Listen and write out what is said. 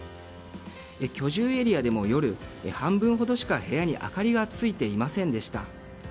居住エリアでも夜半分ほどしか部屋に明かりがついていませんでした。